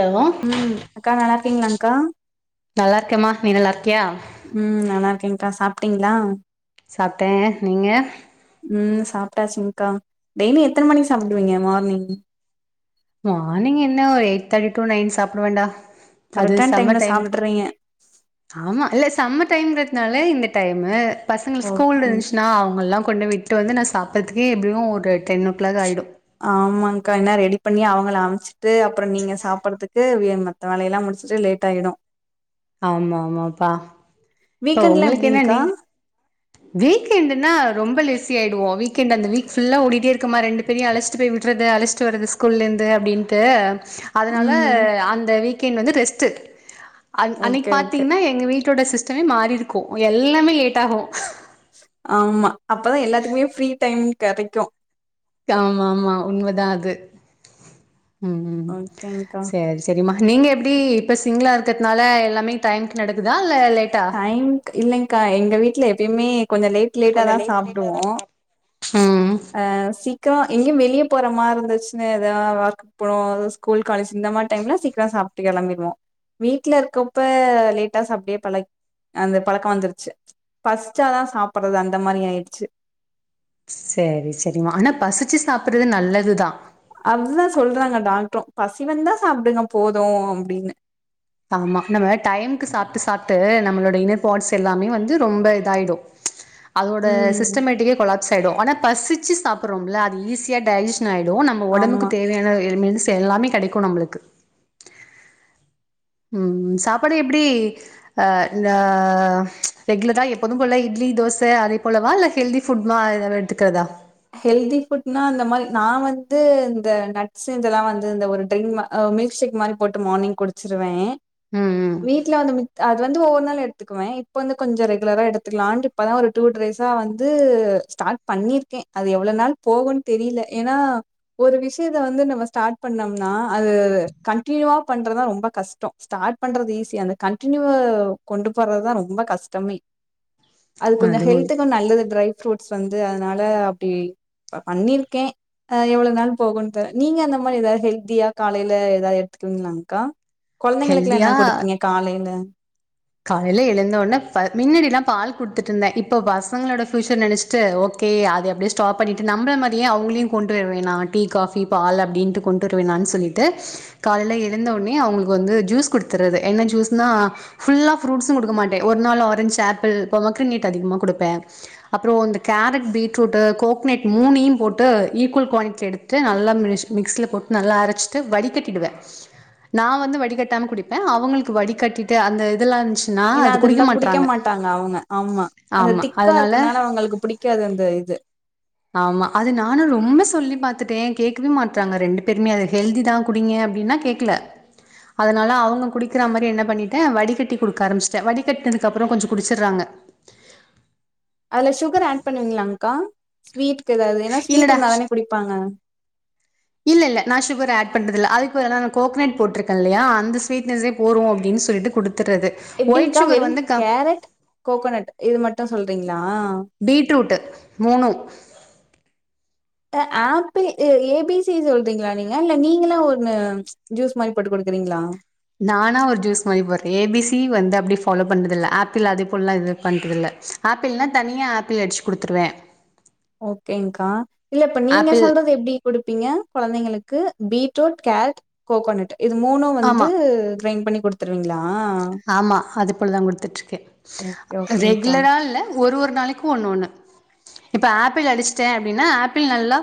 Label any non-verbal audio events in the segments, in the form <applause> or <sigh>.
Hello ம் அக்கா நல்லா இருக்கீங்களா அக்கா நல்லா இருக்கேமா நீ நல்லா இருக்கியா ம் நல்லா இருக்கேங்க்கா சாப்ட்டீங்களா சாப்ட்டேன் நீங்க ம் சாப்ட்டாச்சுங்க்கா டெய்லி எத்தன மணிக்கு சாப்பிடுவீங்க மார்னிங் மார்னிங் என்னா ஒரு எயிட் தேர்ட்டி டு நைன் சாப்புடுவேண்டா அது கரெக்டான டைம்ல சம்மர் டைம் சாப்ட்டுறீங்க ஆமா இல்ல சம்மர் டைம்ங்கிறதுனாலே இந்த டைம்மு பசங்க ஸ்கூல் ஓகே இருந்துச்சுனா அவுங்க எல்லா கொண்டு விட்டு வந்து நா சாப்றதுக்கே எப்டியும் ஒரு டென் ஓ கிளாக் ஆயிடும் ஆமாங்கா என்ன ரெடி பண்ணி அவுங்கள அம்ச்சிட்டு அப்பறம் நீங்க சாப்றதுக்கு மத்த வேலையல்லா முடிச்சுட்டு லேட் ஆயிடும் ஆமா ஆமாப்பா இப்போ வீக்கெண்ட்லா உங்களுக்கு என்ன நீ எப்டிங்க்கா வீக்எண்ட்ன்னா ரொம்ப லிஸி ஆயிடுவோம் வீ்க் என்ட் அந்த வீக் ஃபுல்லா ஓடிட்டே இருக்குமா ரெண்டு பெரிய அழைச்சிட்டு போய் விடுறது அழைச்சிட்டு வறது ஸ்கூல்லல இருந்து அப்டின்ட்டு அதனால ம் அந்த வீக்கெண்ட் வந்து ரெஸ்ட்டு அ அன்னைக்கி ஓகே ஓகே பாத்திங்கன்னா எங்க வீட்டோட சிஸ் டைம்மே மாறி இருக்கும் எல்லாமே லேட் ஆகும் ஆமா அப்பதா எல்லாத்துக்குமே ஃப்ரீ டைம் கெடைக்கும் ஆமா ஆமா உண்மதா அது ம் ம் ஓகேங்க்கா சரி தெரிம்மா நீங்க எப்டி இப்ப சிங்களா இருக்றதுனால எல்லாமே டைம்க்கு நடக்குதா இல்ல லேட்டா டைம் இல்லேங்கா எங்க வீட்ல எப்பயுமே லேட் லேட்டா தா சாப்டுவோம் ம் அ சீக்க எங்கேயு வெளியே போற மாரி இருந்துச்சுன்னா ஏதா ஒர்க் இப்போ ஸ்கூல் காலேஜ் இந்த மாரி டைம்ல சீக்கிர சாப்ட்டு கெளம்பிடுவோ வீட்ல இருக்கப்ப லேட்டா சாப்டே பழக் அந்த பழக்க வந்துருச்சு பஸ்சாதா சாப்புறது அந்த மாரி ஆயிடுச்சு சேரி செரிமா ஆனா பசிச்சு சாப்புறது நல்லதுதா அதுதா சொல்றாங்க டாக்ட்ரு பசி வந்தா சாப்டுங்க போது அப்டின்னு ஆமா நம்ம டைம்க்கு சாப்ட்டு சாப்ட்டு நம்மளோட இன்ன பாட்ஸ் எல்லாமே வந்து ரொம்ப இதாயிடு <inaudible> அதோட ம் சிஸ்டமேட்டிக்கே கொலாப்ஸ் ஆயிடு ஆனா பசிச்சு சாப்புறோம்ல அது ஈஸியா டைஜெஷ் ன் ஆயிடு நம்ம ஒடம்புக்கு ஆமா தேவையான மென்ஸ் எல்லாமே கெடைக்கு நம்மளுக்கு ம் சாப்பாடு எப்டி ஆ ரா ரெகுலரா எப்போது போல இட்லி தோச அதே போலவா இல்ல ஹெல்தி ஃபுட்மா ஏதா எடுத்துக்கறதா ஹெல்தி ஃபுட்னா அந்த மாரி நா வந்து இந்த நட்ஸு இதெல்லா வந்து இந்த ஒரு ட்ரிமா ஆ மில்க் ஷேக் மாரி போட்டு மார்னிங்க் குடிச்சிருவே ம் ம் வீட்ல வந்து மி அது வந்து ஒவ்வொரு நாள் எடுத்துக்குவே இப்போ வந்து கொஞ்ச ரெகுலரா எடுத்துக்லான்டு இப்பதா ஒரு டூ டேஸா வந்து ஸ்டார்ட் பண்ணி இருக்கே அது எவ்ள நாள் போகுன் தெரியில ஏன்னா ஒரு விஷயத்த வந்து நம்ம ஸ்டார்ட் பண்ணோம்னா அது கண்டினியூவா பண்றதா ரொம்ப கஷ்டோ ஸ்டார்ட் பண்றது ஈஸி அந்த கண்டினியூ கொண்டு போடுறதுதா ரொம்ப கஷ்டமே அது கொஞ்ச அதுவு ஹெல்த்துக்கு நல்லது ட்ரை ஃப்ரூட்ஸ் வந்து அதனால இப்டி பண்ணிருக்கே அ எவ்ள நாள் போகுன்டு நீங்க அந்த மாரி ஏதா ஹெல்தியா காலையில ஏதா எடுத்துக்குவீங்களாக்கா கொழந்தைங்களுக்கெல்லா என்ன ஹெல்தியா கொடுப்பீங்க காலையில காலையில எழுந்தோன பா மின்னாடில்லா பால் குடுத்துட்டு இருந்தே இப்போ பசங்களோட ஃப்யூச்ச நெனச் சு ஓகே அது அப்டியே ஸ்டாப் பண்ணிட்டு நம்ள மாரியே அவுங்களையு கொண்டு வர வேண்டா டீ காஃப் டீ பால் அப்டின்ட்டு கொண்டு வர வேண்டானு சொல்ட்டு காலையில எழுந்தவுட்னே அவுங்களுக்கு வந்து ஜூஸ் குடுத்துரது என்ன ஜூஸ்னா ஃபுல்லா ஃப்ரூட்ஸு குடுக்க மாட்டே ஒரு நாள் ஆரஞ்சு ஆப்பிள் பொம்மக்ரனேட் அதிகமா குடுப்பே அப்றோ இந்த கேரட் பீட்ரூட்டு கோக்னட் மூணையு போட்டு ஈக்குவல் குவாண்டிட்டி எடுத் ட்டு நல்லா மிஷ் மிக்சியில் போட்டு நல்லா அரச்சிட்டு வடி கட்டிடுவே நா வந்து வடிகட்டாம குடிப்பே அவங்களுக்கு வடிகட்டிட்டு அந்த இதெல்லா இருந்ச் ஏன்னா அது இருந்தா குடிக்க மாட்டாங்க அவுங்க ஆமா அந்த ஆமா திக்கா அதனால இருக்கனால அவங்களுக்கு பிடிக்காது அந்த இது ஆமா அது நானு ரொம்ப சொல்லி பாத்துட்டே கேக்கவே மாட்றாங்க ரெண்டு பேருமே அது ஹெல்தி தா குடிங்க அப்டின்னா கேக்கல அதனால அவுங்க குடிக்கிற மாரி என்ன பண்ணிட்டே வடி கட்டி குடுக்க ஆரம்பிச்டே வடிகட்னதுக்கு அப்றோ கொஞ்ச குடிச்சுறாங்க அதுல சுகர் ஆட் பண்ணுவீங்களாங்க்கா ஸ்வீட்கு ஏதாவது ஏன்னா ஸ்வீட் இல்லடா இருந்தாதானே குடிப்பாங்க இல்ல இல நா சுகர் ஆட் பண்றதுல்ல அதுக்கு நா கோகனட் போட்ருக்கேல்லைய அந்த ஸ்வீட்னஸ்ஸே போது அப்டின்னு சொல்ட்டு குடுத்துறது ஒயிட் எப்டிங்க்கா சுகர் வெறு வந்து க கேரட் கோகனட் இது மட்டு சொல்றீங்களா பீட்ரூட்டு மூணு அ ஆப்பி ஏ பி சி சொல்றீங்களா நீங்க இல்ல நீங்களா ஒன்னு ஜூஸ் மாரி போட்டு குடுக்குறீங்களா நானா ஒரு ஜூஸ் மாரி போடுறே ஏ பி சி வந்து அப்டி ஃபாலோ பண்றதுல்ல ஆப்பிள் அதே போல எல்லா இது பண்றது இல்ல ஆப்பிள்னா தனியா ஆப்பிள் அடிச்சு குடுத்துருவே ஓகேங்க்கா இல்ல இப்ப நீங்க ஆப்பிள் சொல்றது எப்டி கொடுப்பீங்க கொழந்தைங்களுக்கு பீட்ரூட் கேரட் கோகனட் இது மூணு வந்து ஆமா கிரைண்ட் பண்ணி கொடுத்துருவீங்களா ஆமா அது போலதா குடுத்துட்டு இருக்கே ஓகே ஓகேங்க்கா ரெகுலரா இல்ல ஒரு ஒரு நாளைக்கு ஒண்ணு ஒண்ணு இப்ப ஆப்பிள் அடிச்ட்டே அப்டின்னா ஆப்பிள் நல்லா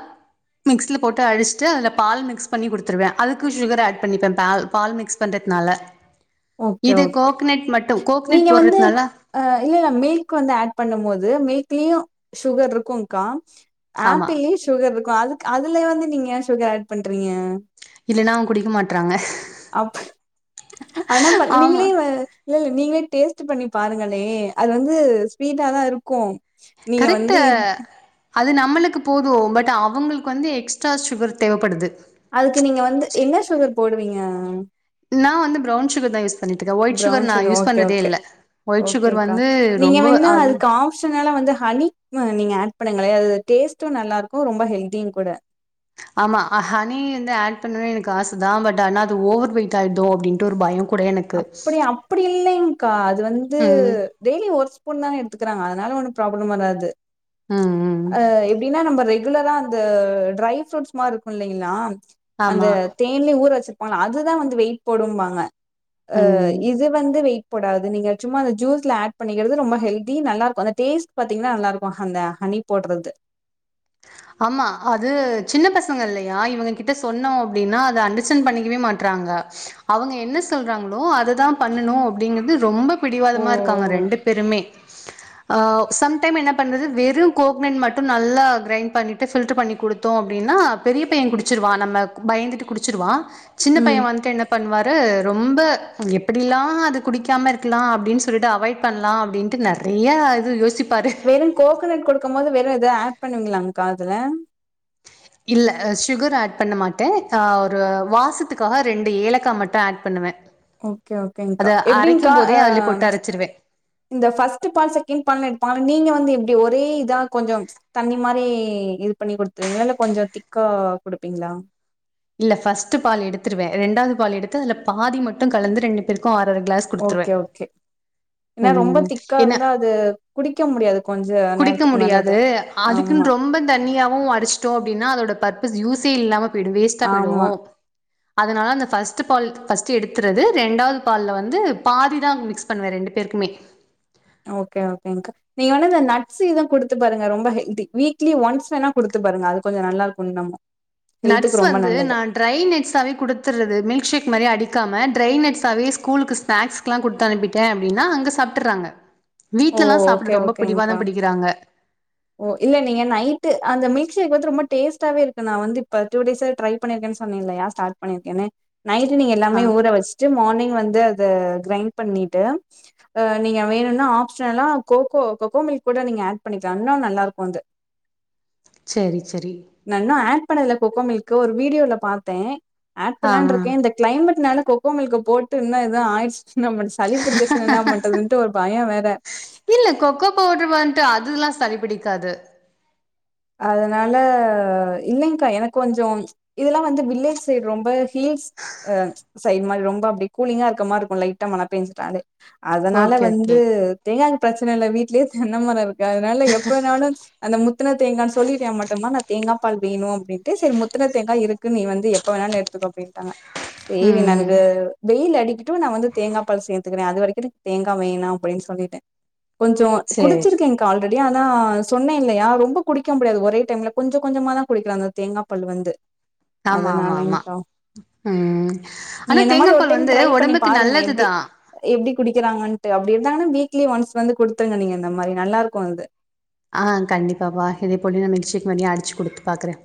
மிக்ஸியில போட்டு அடிச்சுட்டு அதுல பால் மிக்ஸ் பண்ணி கொடுத்துருவே அதுக்கு சுகர் ஆட் பண்ணிப்பே பே பால் மிக்ஸ் வந்துட்னால ஓகே ஓகே நீங்க கோக்னட் வந்து போடுறதுனால அ இல்ல மில்க் வந்து ஆட் பண்ணு போது மில்க்லயு சுகர் இருக்கும்கா ஆமா ஆப்பிள்யே சுகர் இருக்கு அதுக் அதுலயே வந்து நீங்க சுகர் ஆட் பண்றீங்க இல்லன்னா அவங்க குடிக்க மாட்றாங்க அப் ஆனா பணுவீங்களே ஆமா அ இல்ல இல்ல நீங்களே டேஸ்ட் பண்ணி பாருங்களே அது வந்து ஸ்வீட்டாதா இருக்கு கரெக்டு அது நம்மளுக்கு போது பட் அவங்களுக்கு வந்து எக்ஸ்ட்ரா சுகர் தேவப்படுது அதுக்கு நீங்க வந்து என்ன சுகர் போடுவீங்க நா வந்து ப்ரௌன் சுகர் தா யூஸ் பண்ணிட்டுக்கே ஒயிட் சுகர் ப்ரவுன் நா யூஸ் ஓகே, பண்றதே ஓகே. இல்ல ஒயிட் சுகர் ஓகேக்கா. வந்து நீங்க ரொம்ப வேணா ஆது அதுக்கு ஆப்ஷனலா வந்து ஹனி நீங்க ஆட் பண்ணுங்களே அது டேஸ்ட்டு நல்லாருக்கு ரொம்ப ஹெல்தியு கூட ஆமா ஹனி வந்து ஆட் பண்ணவே எனக்கு ஆச தா பட் ஆனா அது ஓவர் வெயிட் ஆயிடுதோ அப்டின்ட்டு ஒரு பயோ கூட எனக்கு அப்டி அப்டி இல்லங்க்கா அது வந்து ம் டெய்லி ஒரு ஸ்பூன்தனே எடுத்துக்ராங்க அதனால ஒன்னு ப்ராப்ளம் வராது ம் ம் அ எப்டினா நம்ம ரெகுலரா அந்த ட்ரை ஃப்ரூட்ஸ் மாரி இருக்கு இல்லங்களா அந்த ஆமா தேன்லயே ஊற வச்சிருப்பாங்கள அதுதா வந்து வெயிட் போடும்பாங்க ஆ ம் இது வந்து வெயிட் போடாது நீங்க சும்மா அந்த ஜூஸ்ல ஆட் பண்ணிக்கிறது ரொம்ப ஹெல்தி நல்லா இருக்கு அந்த டேஸ்ட் பார்த்தீங்கன்னா நல்லாருக்கு அந்த ஹனி போடுறது ஆமா அது சின்ன பசங்க இல்லையா இவங்க கிட்ட சொன்னோ அப்டின்னா அது அண்டர்ஸ்டாண்ட் பண்ணிக்கவே மாட் ட்ராங்க அவங்க என்ன சொல்றாங்களோ அததா பண்ணணு அப்டிங்குறது ரொம்ப ஓ பிடிவாதமா இருக்காங்க ரெண்டு பேருமே அ சம் டைம் என்ன பண்றது வெறும் கோக்னட் மட்டு நல்லா கிரைண்ட் பண்ணிட்டு ஃபில்டர் பண்ணி கொடுத்தோ அப்டின்னா பெரிய பைய குடிச்சிருவா நம்ம பயந்துட்டு குடிச்சிருவா சின்ன ம் பைய வந்துட்டு என்ன பண்ணுவாரு ரொம்ப எப்டிலா அது குடிக்காம இருக்கலா அப்டின்னு சொல்லிட்டு அவாய்ட் பண்ணலா அப்டின்ட்டு நெறைய இது யோசிப்பாரு வெறு கோகனட் கொடுக்கு போது வெறு ஏதாவ ஆட் பண்ணுவீங்களாங்காதுல இல்ல சுகர் ஆட் பண்ண மாட்டே த ஒரு வாசத்துக்காக ரெண்டு ஏலக்கா மட்டு ஆட் பண்ணுவே ஓகே ஓகேங்க்கா எப்டிங்க்கா ஆ அதுல போட்டு அரைச்சுருவேன். இந்த ஃபஃர்ஸ்ட் பால் செகண்ட் பால்னு எடுப்பாங்ளே நீங்க வந்து எப்டி ஒரே இதா கொஞ்சம் தண்ணி மாதிரி இது பண்ணி குடுத்துருவீங்களா இல்ல கொஞ்சோ திக்கா கொடுப்பீங்களா இல்ல ஃபர்ஸ்ட் பால் எடுத்துருவே ரெண்டாவது பால் எடுத்து அதுல பாதி மட்டு கலந்து ரெண்டு பேருக்கு அர அர கிளாஸ் ஓகே குடுத்துருவேன். ஓகே ஏன்னா ரொம்ப ம். திக்கா ஏன்னா இருந்தா அது குடிக்க முடியாது கொஞ்ச குடிக்க நேரத்துக்கு மேல அத முடியாது ஆமா அதுக்குன்னு ரொம்ப தனியாவு அரச்சு ட்டோ அப்டினா அதோட பர்பஸ் யூசே இல்லாம போய்டு வேஸ்ட்டா போய்டு ஆமா அதனால அந்த ஃபர்ஸ்ட் பால் ஃபர்ஸ்ட் எடுத்துரது ரெண்டாவது பால்ல வந்து பாதி தா மிக்ஸ் பண்ணுவாரு ரெண்டு பேருக்குமே ஓகே ஓகேங்கா நீங்க வேனா இந்த நட்ஸ் இது கொடுத்து பாருங்க ரொம்ப ஹெல்தி வீக்லி ஒன்ஸ் வேணா கொடுத்து பாருங்க அது கொஞ்சம் நல்லா இருக்கும் புண்ணமும் நட்ஸ் ஹெல்த்துக்கு ரொம்ப வந்து நல்லது நான் ட்ரை நட்ஸாவே கொடுத்துருறது மில்க்ஷேக் மாரியே அடிக்காம ட்ரை நட்ஸாவே ஸ்கூலுக்கு ஸ்னாக்ஸ்கெலாம் கொடுத்து அனுப்பிட்டன் அப்படின்னா அங்க சாப்பிட்றாங்க ஓ வீட்ல எல்லாம் சாப்பிட ஓகே ரொம்ப ஓகேங்க்கா பிடிவாதம் புடிக்கிறாங்க ஓ இல்ல நீங்க நைட்டு அந்த மில்க் ஷேக் வந்து ரொம்ப டேஸ்டாவே இருக்கு நான் வந்துப்ப டூ டேஸ்ஸா ட்ரை பண்ணிருக்கேன்னு சொன்னேனில்லையா ஸ்டார்ட் பண்ணிருக்கேனு நைட்டு ஆ எல்லாமே ஊற வச்சு மார்னிங் வந்து அத கிரைண்ட் பண்ணிட்டு நீங்க வேணும்னா ஆப்ஷனல்லா கோகோ கோகோ மில்க் கூட நீங்க ஆட் பண்ணிக்க இன்னும் நல்லா இருக்கும் அது சேரி சேரி நல்லா ஆட் பண்ணல கோகோமில்க் ஒரு வீடியோல பார்த்தேன் ஆட் ஆ பண்ணலான் ஆ இருக்கேன் இந்த கிளைமேட்னால கோகோமில்க போட்டு இன்னு எது ஆயிடுச்சு நம்ம சளி பிடிச்சிச்சுனா என்ன பண்றதுன்னு ஒரு பயம் வேற இல்ல கொக்கோ பவுடரு வந்துட்டு அதுல்லாம் சளி பிடிக்காது அதனால இல்லைங்கா எனக்கு கொஞ்சம் இதெல்லாம் வந்து வில்லேஜ் சைடு ரொம்ப ஸீஸ் அ சரிமமாமாதிரி ரொம்ப அப்படி கூலிங்கா இருக்க மாதிரி இருக்கும் லைட்டா மழை பெஞ்சுட்டாலே அதனால ஓகே ஓகே. வந்து தேங்காய் பிரச்சனை இல்லை வீட்லயே தென்னை மரம் இருக்கு அதனால எப்பனாலும் அந்த முத்தனது தேங்கானு சொல்லிட்டேன் மட்டும்தான் நான் தேங்காய பால் வேணும் அப்பின்ட்டு சரி முத்தின தேங்காய் இருக்கு நீ வந்து எப்ப வேணாலும் எடுத்துக்க அப்படிடாங்க சேரி ம் நன்கு ம் வெயில் அடிக்கடஂடும் நான் வந்து தேங்காய் பால் சேரதுக்கிறேன் அது வரைக்கும் தேங்காய் வேணும் அப்படின்னு சொல்லிட்டே கொஞ்சம் சரி. குடிச்சிருக்கேன்கா ஆல்ரெடி ஆனா சொன்னேன் இல்லையா ரொம்ப குடிக்க முடியாது ஒரே டைம்ல கொஞ்சம் கொஞ்சமா தான் குடிக்கிறாஙக தேங்காய் பால் வந்து ஆமா ஆமா அதனால் ஆமா. நீங்க ம் ஆனா இந்த தேங்கா மாதிரி ஒரு பால் டைம் வந்து ட்ரை பண்ணி ஒடம்புக்கு பாருங்க எப்படி நல்லதுதான். எப்படி குடிக்கிறாங்கட்டு அப்படி இருந்தாங்கன்னா வீக்லி ஒன்ஸ் வந்து குடுத்துருங்க நீங்க இந்த மாதிரி நல்லாருக்கும் அது ஆ கண்டிப்பா பா இத கொணடு போய் நான் மிக்சி அடிச்சு கொடுத்து ப பாக்குறேன்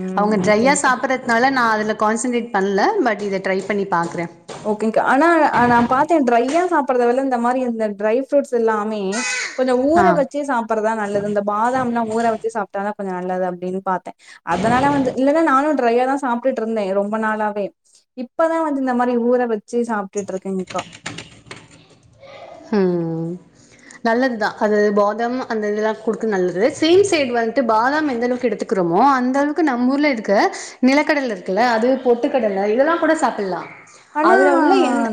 ம் அவங்க ட்ரையா ஓகேங்க்கா சாப்பிட்ற அதனால நான் அதில் கான்சன்டரேட் பண்ணல பட் இதை ட்ரை பண்ணி பாகஂகுறேன் ஓகேங்க ஆனா நான் பார்த்தேன் ட்ரையா சாப்பறத விட இந்த மாதிரி இந்த ட்ரை ஃப்ரூட்ஸ் எல்லாமே கொஞ்சம் ஊற ஆ. வச்சு சாப்பறதான் நல்லது இந்த பாதாம் எல்லாம் ஊற வச்சு சாப்பிட்டாதான் கொஞ்சம் நல்லது அப்படின்னு பாத்தேன் அதனால வந்து இல்லைன்னா நானும் ட்ரையா தான்சாபபிட இருந்தேன் ரொம்ப நாளாவே இப்பதான் வந்து இந்த ஊற வச்சு சாப்பிட்டு இருக்கேங்க்கா நல்லதுதா அது பாதாம் அந்த இதெல்லா ஃபுட்க்கு நல்லது சேம் சைட் வந்துட்டு பாதாம் எந்த அளவுக்கு எடுத்து க்குறோமோ அந்த அளவுக்கு நம்ம ஊர்ல இருக்க நிலக்கடல இருக்குல்ல அது பொட்டுக்கடல இதெல்லா கூட சாப்பல்லா ஆனா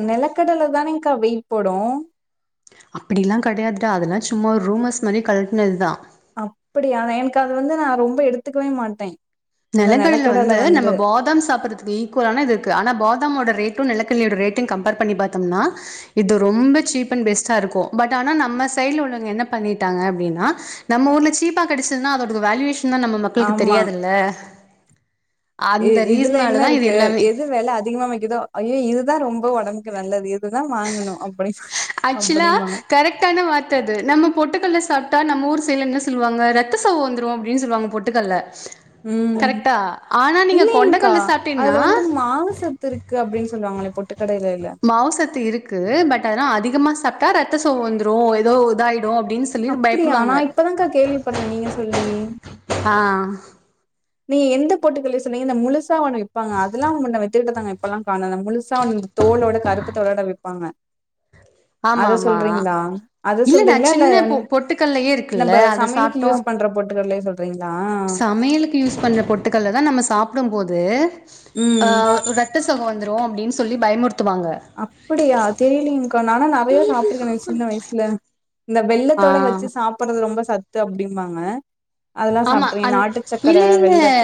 நெலக்கடல தானேங்க்கா வெயிட் போடுமஂ அப்டியெலா கெடையாது டா அதெலா சும்மா ஒரு ரூமர்ஸ் மாரி கிளபினது தா அப்படியா எனக்கு அது வந்து நா ரொம்ப எடுத்துக்கவே மாட்ட நெலகடலைல வந்து நம்ம பாதாம் சாப்புறதுக்கு ஈக் வல்லா தானருக்கு ஆனா பாதாமோட ரேட்டு நெலக்கடலையோட ரேட்டு கம்பேர் பண்ணி பாத்தோம்னா இது ரொம்ப சீப் அண்ட் பெஸ்டா இருக்கோ பட் ஆனா நம்ம சைட்ல உள்ளவங்க என்ன பண்ணிட்டாங்க அப்டின்னா நம்ம ஊர்ல சீப்பா கெடச்சதுன்னா அதோட வேல்யுவேஷன் தா நம்ம மக்களுக்கு ஆமா. தெரியாதுல்ல எ அந்த இதுல என்ன ரீசனால தான் இது இருக்கு எல்லாமே எது வெல அதிகமா விக்குதோ ஐயோ இதுதா ரொம்ப ஒடம்க்கு நல்லது இதுதா வாங்குனு அப் ஆக்சுவலா கரெக்டான வா த்தாது நம்ம பொட்டுக்கல்ல சாப்ட்டா நம்ம ஊர் சைட்ல என்ன சொல்லுவாங்க ரத்த சோக வந்துரோ அப்டினு சொல்லுவாங்க பொட்டுக்கல்ல ம் கரெக்டா ஆனா நீங்க இல்லைங்க்கா கொண்டக்கல்ல சாப்ட்டீங்கன்னா அதுல வந்து மாவு சத்து இருக் கு அப்டினு சொல்லுவாங்ளே பொட்டுக்கடலையில மாவுசத்து இருக்கு பட் ஆனா அதிகமா சாப்ட்டா ரத்த சோக வந்துரோ ஏதோ இதாயிடோ அப்டின் சொ அப்டியா நா இப்பதாக்கா கேள்விப்பட்ற நீங்க சொல்லி ஆ நீங்க எந்த பொட்டுக்கல்லய சொன்னீங்க இந்த முழுசா ஒன்னு விப்பாங்க அதெல்லா முன்ன வித்துக்கிட்ருந்தாங்க இப்பல்லா காணோ அந்த முழுசா அந்த தோளோட கருப்பு தோளட விப்பாங்க ஆமா அத ஆமா சொல்றீங்ளா அத நா சொல்றீங்ளா இல்ல சின்ன பொ பொட்டுக்கல்லயே இருக்குல்ல நம்ப அத சமையலுக்கு சாப்ட்டோ யூஸ் பண்ற பொட்டுக்கல்லய சொல்றீங்ளா சமையலுக்கு யூஸ் பண்ற பொட்டுக்கல்ல தா நம்ம சாப்டும் போது அ ம் ரத் த சோக வந்துரோ அப்டின்னு சொல்லி பயமுறுத்துவாங்க அப்படியா தெரிலிங்க்கா நானா நெறைய சாப்ட்டுருக்கனே சின்ன வயசுல இந்த வெள்ளத்தோட ஆ வச்சு சாப்புறது ரொம்ப சத்து அப்டிம்பாங்க அதெல்லா ஆமா அ சாப்ட்ருக்கே நாட்டு சக்கர இல்ல இல்ல வெல்லத்த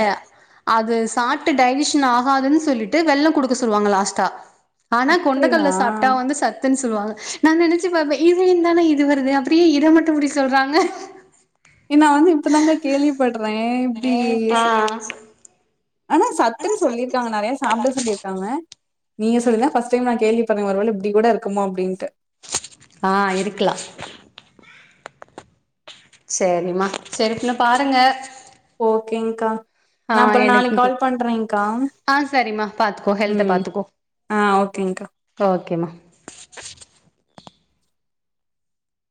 அது சாட்டு டைஜிஷன் ஆகாதுன்னு சொல்லிட்டு வெள்ளோ குடுக்க சொல்வாங்க லாஸ்ட்டா ஆனா அப்படியா கொண்டகல்ல சாப்ட்டா வந்து சத் துன் சொல்வாங்க நா நெனச்சு பாப்ப இதுயந்தான இது வருது அப்றோ ஏ இத மட்டோ அப்டி சொல்றாங்க எ நா வந்து இப்பதாங்க கேள்வி பட்ற இப்டி ஆ ச ஆனா சத்துன் சொல்லியிருக்காங்க நறைய சாப்ட சொல்லி க்காங்க நீங்க சொல்லி தா ஃபர்ஸ்ட் டைம் நா கேள்வி பட்ற ஒருவேள இப்டி கூட இருக்குமோ அப்டின்ட்டு ஆ இருக்கலா சேரிமா சேரி பின்ன பாருங்க ஓகேங்க்கா ஆ நா அப்றோ நாளைக் எனக்கு கால் பண்றேங்க்கா ஆ சரிம்மா பாத்துக்கோ ஹெல்த ம் பாத்துக்கோ அ ஓகேங்க்கா ஓகேம்மா